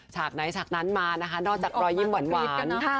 ฉากไหนฉากนั้นมานะคะนอกจากรอยยิ้มหวาน